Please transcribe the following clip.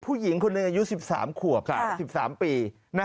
ผู้หญิงคนอายุ๑๓ขวบ๑๓ปี